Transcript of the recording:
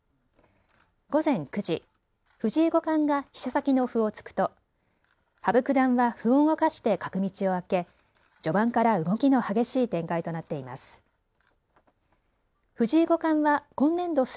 午前９時、藤井五冠が飛車先の歩を突くと羽生九段は歩を動かして角道を開け、序盤から動きの激しい展開となっています。